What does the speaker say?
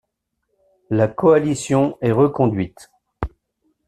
La coalition est reconduite.